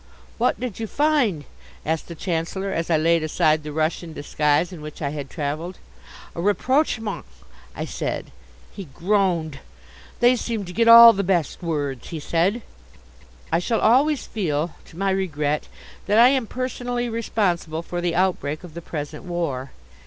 "What did you find?" asked the Chancellor as I laid aside the Russian disguise in which I had travelled. "A Rapprochement!" I said. He groaned. "They seem to get all the best words," he said. I shall always feel, to my regret; that I am personally responsible for the outbreak of the present war.